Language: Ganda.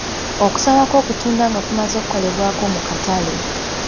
Okusaba kw'okutunda nga kumaze okukolebwako mu katale.